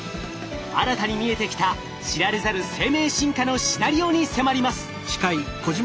新たに見えてきた知られざる生命進化のシナリオに迫ります。